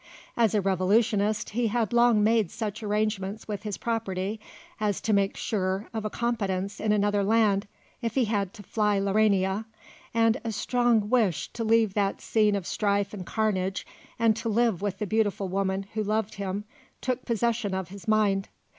As a Revolutionist he had long made such arrangements with his property as to make sure of a competence in another land, if he had to fly Laurania; and a strong wish to leave that scene of strife and carnage and to live with the beautiful woman who loved him took possession of his mind.